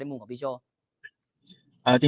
ในมุมของพี่โชว์